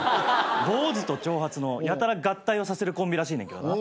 坊主と長髪のやたら合体をさせるコンビらしいねんけどな。